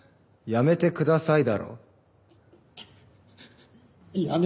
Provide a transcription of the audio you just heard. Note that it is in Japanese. やめてください。